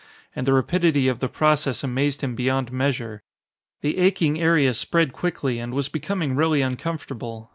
And the rapidity of the process amazed him beyond measure. The aching area spread quickly and was becoming really uncomfortable.